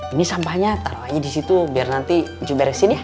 ini sampahnya taro aja disitu biar nanti cuy beresin ya